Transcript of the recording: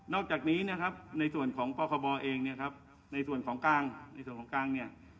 นอกจากนี้ในส่วนของป้อคบเองในส่วนของกล้าง